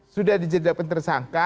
sudah dijadikan tersangka